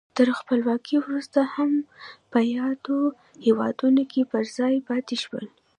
تر خپلواکۍ وروسته هم په یادو هېوادونو کې پر ځای پاتې شول.